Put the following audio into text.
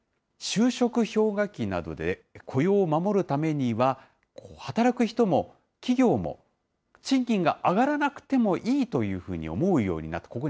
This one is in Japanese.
就職氷河期などで雇用を守るためには、働く人も企業も、賃金が上がらなくてもいいというふうに思うようになった、